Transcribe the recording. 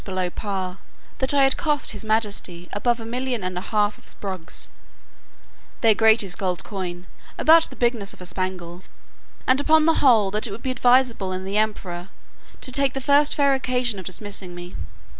below par; that I had cost his majesty above a million and a half of sprugs" (their greatest gold coin, about the bigness of a spangle) "and, upon the whole, that it would be advisable in the emperor to take the first fair occasion of dismissing me."